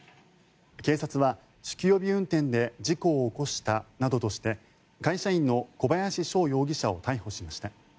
警察は酒気帯び運転で事故を起こしたなどとして会社員の小林翔容疑者を逮捕しました。